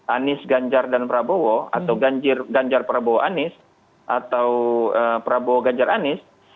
anis ganjar dan prabowo atau ganjar prabowo anis atau prabowo ganjar anis